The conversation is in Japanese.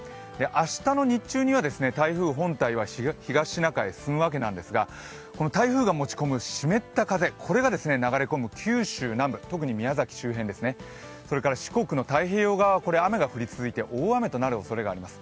明日の日中には台風本体は東シナ海へ進むわけですがこの台風が持ち込む湿った風が流れ込む九州南部、特に宮崎周辺、それから四国の太平洋側は雨が降り続いて大雨となるおそれがあります。